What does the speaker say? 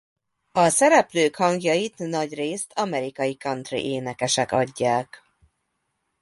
A szereplők hangjait nagyrészt amerikai country-énekesek adják.